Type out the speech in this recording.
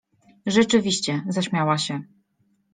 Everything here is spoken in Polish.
— Rzeczywiście! — zaśmiała się.